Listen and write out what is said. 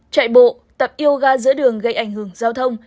chạy bộ tập yoga giữa đường gây ảnh hưởng giao thông